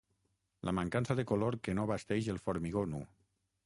La mancança de color que no basteix el formigó nu.